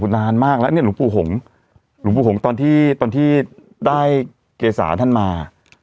นานมากแล้วเนี่ยตอนที่ถูกได้เกษาท่านมา